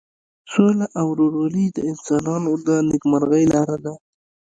سوله او ورورولي د انسانانو د نیکمرغۍ لاره ده.